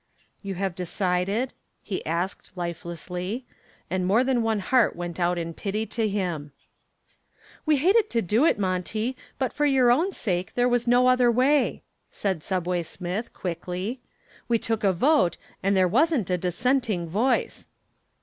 "You have decided?" he asked lifelessly, and more than one heart went out in pity to him. "We hated to do it, Monty, but for your own sake there was no other way," said "Subway" Smith quickly. "We took a vote and there wasn't a dissenting voice."